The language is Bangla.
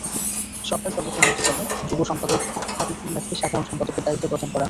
সভায় সর্বসম্মতিক্রমে যুগ্ম সম্পাদক হাবিবে মিল্লাতকে সাধারণ সম্পাদকের দায়িত্ব প্রদান করা হয়।